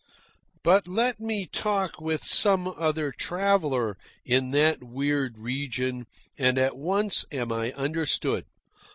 But let me talk with some other traveller in that weird region, and at once am I understood.